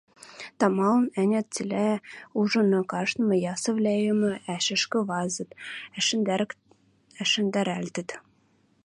Тамалын-ӓнят цилӓ ужын каштмы ясывлӓэм ӓшӹшкӹ вазыт, ӓшӹндӓрӓлтӹт.